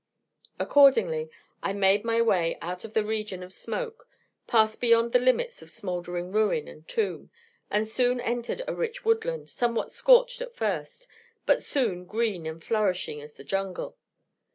Accordingly, I made my way out of the region of smoke, passed beyond the limits of smouldering ruin and tomb, and soon entered a rich woodland, somewhat scorched at first, but soon green and flourishing as the jungle.